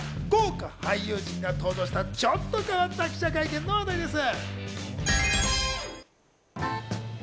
続いては豪華俳優陣が登場した、ちょっと変わった記者会見の話題です。